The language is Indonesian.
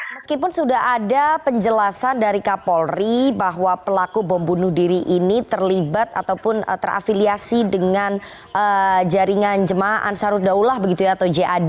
meskipun sudah ada penjelasan dari kapolri bahwa pelaku bom bunuh diri ini terlibat ataupun terafiliasi dengan jaringan jemaah ansaruddaulah begitu ya atau jad